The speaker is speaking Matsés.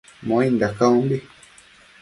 Muainda caumbi